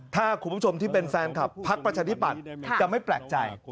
ถ้าคุณผู้ชมที่เป็นแฟนคลับพักประชาธิปัตย์จะไม่แปลกใจ